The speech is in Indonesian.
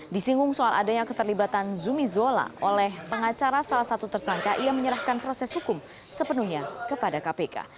disinggung soal adanya keterlibatan zumi zola oleh pengacara salah satu tersangka ia menyerahkan proses hukum sepenuhnya kepada kpk